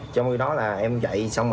trong khi đó là em chạy xong